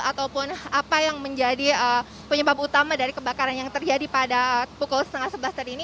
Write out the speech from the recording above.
ataupun apa yang menjadi penyebab utama dari kebakaran yang terjadi pada pukul setengah sebelas tadi ini